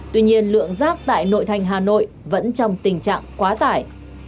tuy nhiên lượng rác tại nội thành hà nội vẫn trong tình trạng quá tải